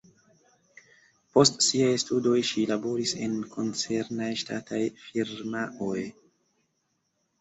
Post siaj studoj ŝi laboris en koncernaj ŝtataj firmaoj.